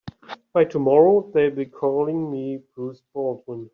By tomorrow they'll be calling me Bruce Baldwin.